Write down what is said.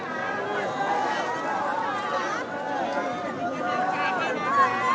และที่อยู่ด้านหลังคุณยิ่งรักนะคะก็คือนางสาวคัตยาสวัสดีผลนะคะ